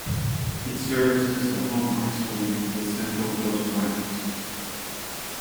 It serves as the home ice rink of the Central Coast Rhinos.